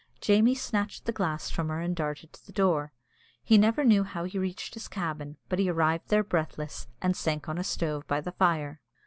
Jamie snatched the glass from her and darted to the door. He never knew how he reached his cabin, but he arrived there breathless, and sank on a stove by the fire.